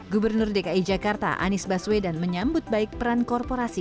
gubernur dki jakarta anies baswedan menyambut baik peran korporasi